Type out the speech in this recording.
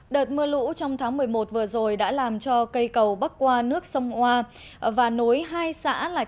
đợt mưa lũ trong tháng một mươi một vừa rồi đã làm cho cây cầu bắc qua nước sông hoa và nối hai xã là